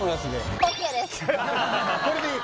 これでいい？